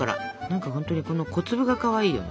何かほんとにこの小粒がかわいいよね。